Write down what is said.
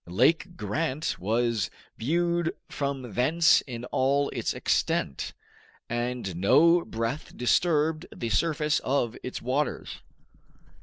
Lake Grant was viewed from thence in all its extent, and no breath disturbed the surface of its waters.